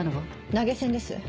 投げ銭です。